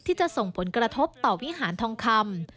ที่จะส่งผลกระทบต่อวิหารทองคำ